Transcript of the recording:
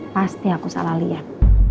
pasti aku salah lihat